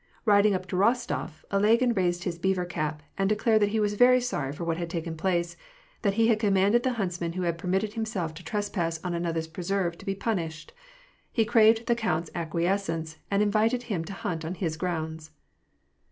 Riding up to Kostof, Ilagin raised his beaver cap, and declared that he was very sorry for what had taken place : that he had commanded the huntsman who had permitted himself to trespass on another's preserve to be punished. He craved the count's acquaintance, and in vited him to hunt on his grounds.